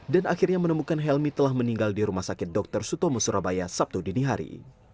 dan akhirnya menemukan helmi telah meninggal di rumah sakit dr sutomo surabaya sabtu dini hari